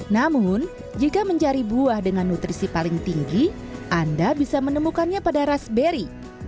namun jika mencari buah dengan nutrisi paling tinggi anda bisa menemukannya pada raspberry